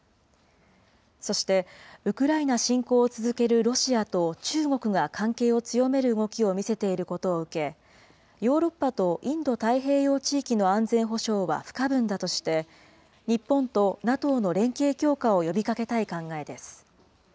そして、ウクライナ侵攻を続けるロシアと中国が関係を強める動きを見せていることを受け、ヨーロッパとインド太平洋地域の安全保障は不可分だとして、日本とＮＡＴＯの連携強化を呼びかけたい考えです。